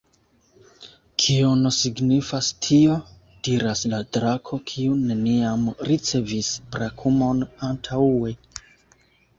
"Kion signifas tio?" diras la drako, kiu neniam ricevis brakumon antaŭe.